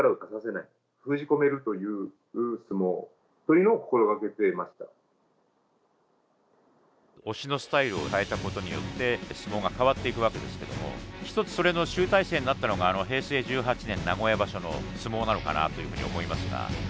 自分を中心から置きますと押しのスタイルを変えたことによって、相撲が変わっていくわけですけども１つ、それの集大成になったのが平成１８年、名古屋場所の相撲なのかなというふうに思いますが。